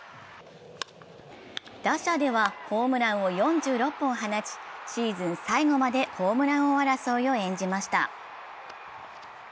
打者ではホームランを４６本放ち、シーズン最後までホームラン王争いを演じました。